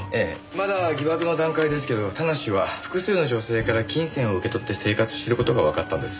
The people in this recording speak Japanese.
まだ疑惑の段階ですけど田無は複数の女性から金銭を受け取って生活してる事がわかったんです。